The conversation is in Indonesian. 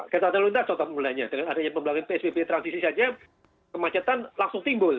ketatan lintas contoh pemula nya dengan adanya pembangunan psbp transisi saja kemacetan langsung timbul